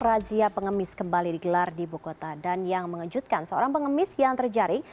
razia pengemis kembali digelar di buku kota dan yang mengejutkan seorang pengemis yang terjaring